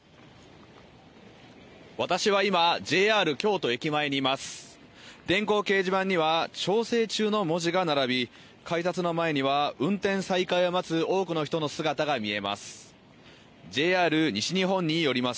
私は今ＪＲ京都駅前にいます電光掲示板には調整中の文字が並び改札の前には運転再開を待つ多くの人の姿が見えます